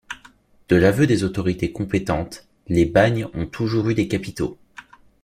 De l’aveu des autorités compétentes, les bagnes ont toujours eu des capitaux.